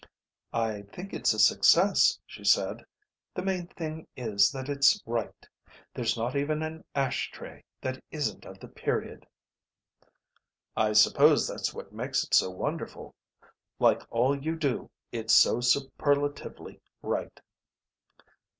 "I think it's a success," she said. "The main thing is that it's right. There's not even an ashtray that isn't of the period." "I suppose that's what makes it so wonderful. Like all you do it's so superlatively right."